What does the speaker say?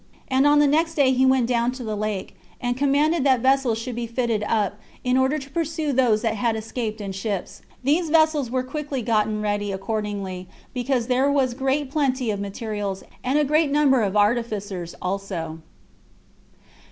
And on the next day he went down to the lake, and commanded that vessels should be fitted up, in order to pursue those that had escaped in the ships. These vessels were quickly gotten ready accordingly, because there was great plenty of materials, and a great number of artificers also.